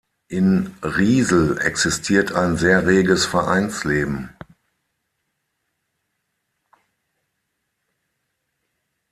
In Riesel existiert ein sehr reges Vereinsleben.